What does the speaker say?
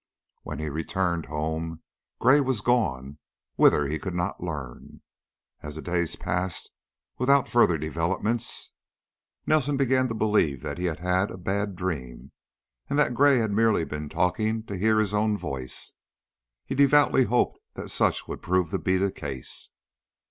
When he returned home Gray was gone, whither he could not learn. As the days passed without further developments, Nelson began to believe that he had had a bad dream and that Gray had merely been talking to hear his own voice. He devoutly hoped that such would prove to be the case.